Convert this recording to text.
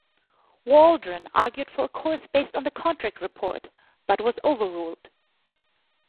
Waldron argued for a course based on the contact report, but was overruled.